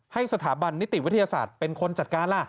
สถาบันนิติวิทยาศาสตร์เป็นคนจัดการล่ะ